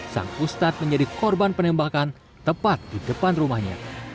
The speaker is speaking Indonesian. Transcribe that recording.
sang ustadz menjadi korban penembakan tepat di depan rumahnya